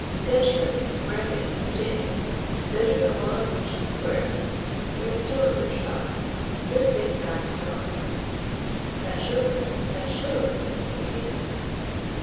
Densher, from where they had been standing, measured the long reach of the Square. "They're still in their shop. They're safe for half an hour." "That shows then, that shows!" said Kate.